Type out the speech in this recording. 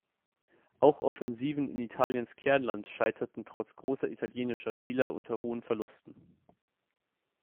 Auch Offensiven in Italiens Kernland scheiterten trotz großer italienischer Fehler unter hohen Verlusten.